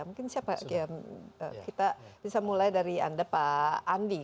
mungkin siapa yang kita bisa mulai dari anda pak andi